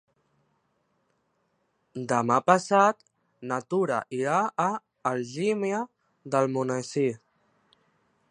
Demà passat na Tura irà a Algímia d'Almonesir.